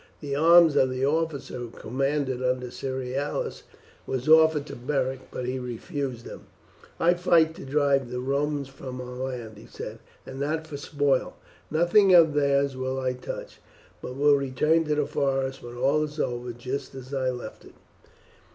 The arms of the officer who commanded under Cerealis were offered to Beric, but he refused them. "I fight to drive the Romans from our land," he said, "and not for spoil. Nothing of theirs will I touch, but will return to the forest when all is over just as I left it."